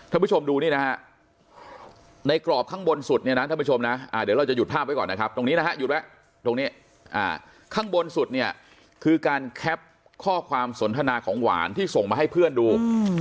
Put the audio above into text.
ผู้ชมดูนี่นะฮะในกรอบข้างบนสุดเนี่ยนะท่านผู้ชมนะเดี๋ยวเราจะหยุดภาพไว้ก่อนนะครับตรงนี้นะฮะหยุดไว้ตรงนี้ข้างบนสุดเนี่ยคือการแคปข้อความสนทนาของหวานที่ส่งมาให้เพื่อนดู